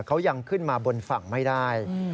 เขายังขึ้นมาบนฝั่งไม่ได้